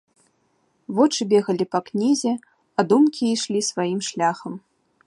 Вочы бегалі па кнізе, а думкі ішлі сваім шляхам.